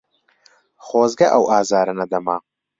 خۆزگە ئەو ئازارە نەدەما.